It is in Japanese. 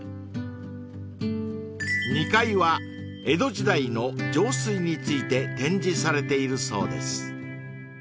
［２階は江戸時代の上水について展示されているそうです］